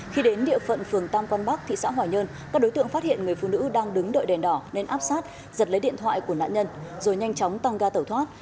khi đến địa phận phường tam quang bắc thị xã hòa nhơn các đối tượng phát hiện người phụ nữ đang đứng đợi đèn đỏ nên áp sát giật lấy điện thoại của nạn nhân rồi nhanh chóng tăng ga tẩu thoát